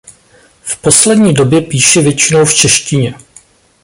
V poslední době píše většinou v češtině.